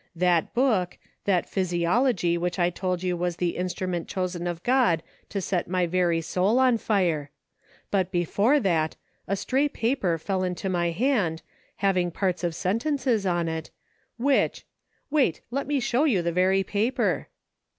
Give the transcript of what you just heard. That book, that physiology which I told you was the instrument chosen of God to set my very soul on fire ; but before that, a stray paper fell into my hand, having parts of sentences on it, which — wait ! let me show you the very paper."